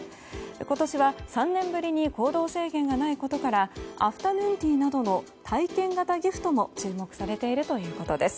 今年は３年ぶりに行動制限がないことからアフタヌーンティーなどの体験型ギフトも注目されているということです。